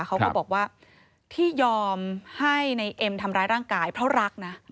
เขาก็บอกว่าที่ยอมให้ในเอ็มทำร้ายร่างกายเพราะรักนะ